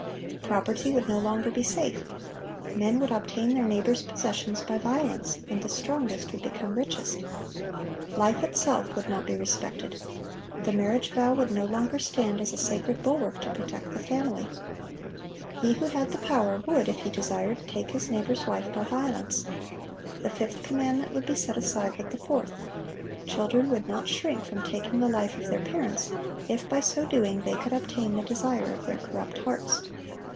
Property would no longer be safe. Men would obtain their neighbors' possessions by violence; and the strongest would become richest. Life itself would not be respected. The marriage vow would no longer stand as a sacred bulwark to protect the family. He who had the power, would, if he desired, take his neighbor's wife by violence. The fifth commandment would be set aside with the fourth. Children would not shrink from taking the life of their parents, if by so doing they could obtain the desire of their corrupt hearts.